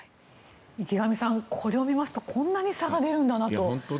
池上さん、これを見ますとこんなに差が出るんだなと。